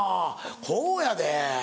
こうやで。